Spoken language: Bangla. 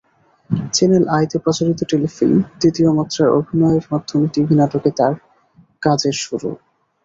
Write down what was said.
চ্যানেল আইতে প্রচারিত টেলিফিল্ম দ্বিতীয় মাত্রায় অভিনয়ের মাধ্যমে টিভি নাটকে তাঁর কাজের শুরু।